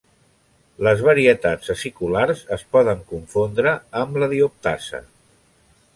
Les varietats aciculars es poden confondre amb la dioptasa.